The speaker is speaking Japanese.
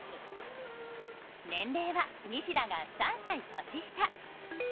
年齢は西田が３歳年下。